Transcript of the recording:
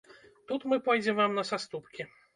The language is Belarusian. Тут мы пойдзем вам на саступкі.